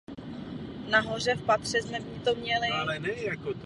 Pár neměl žádné děti.